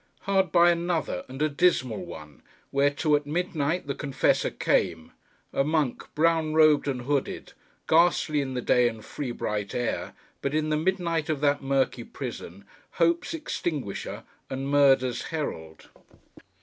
Hard by, another, and a dismal one, whereto, at midnight, the confessor came—a monk brown robed, and hooded—ghastly in the day, and free bright air, but in the midnight of that murky prison, Hope's extinguisher, and Murder's herald.